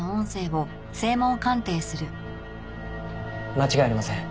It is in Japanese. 間違いありません。